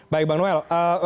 baik bang noel